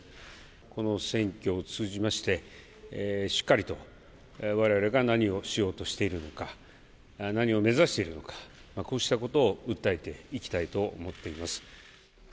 この選挙を通じまして、しっかりと、われわれが何をしようとしているのか、何を目指しているのか、こうしたことを訴えていきたいと思っています。